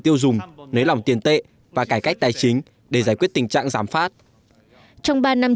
tiêu dùng nới lỏng tiền tệ và cải cách tài chính để giải quyết tình trạng giảm phát trong ba năm